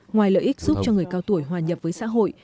ngoài lợi ích giúp cho người cao tuổi hòa nhập với xã hội